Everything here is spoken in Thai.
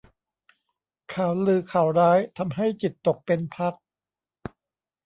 ข่าวลือข่าวร้ายทำให้จิตตกเป็นพัก